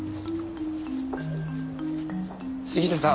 杉下さん。